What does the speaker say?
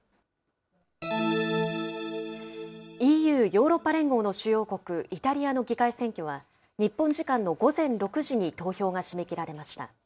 ＥＵ・ヨーロッパ連合の主要国、イタリアの議会選挙は、日本時間の午前６時に投票が締め切られました。